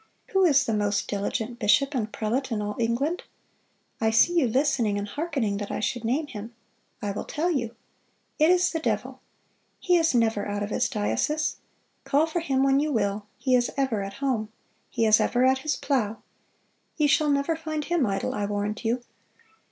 "Who is the most diligent bishop and prelate in all England? ... I see you listening and hearkening that I should name him.... I will tell you: it is the devil.... He is never out of his diocese; ... call for him when you will, he is ever at home; ... he is ever at his plow.... Ye shall never find him idle, I warrant you....